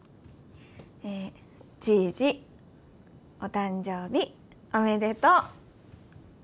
「じいじお誕生日おめでとう。